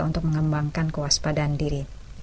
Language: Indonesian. untuk mengembangkan kewaspadaan diri